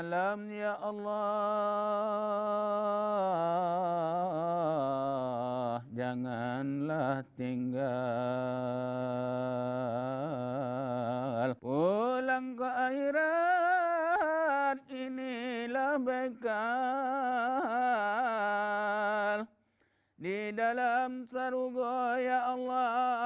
jemaah yang datang secara khusus ingin memperdalam ilmu agama